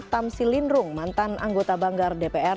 tamsi lindrung mantan anggota banggar dpr